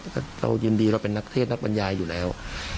แต่เรายินดีเราเป็นนักเทศนักบรรยายอยู่แล้ว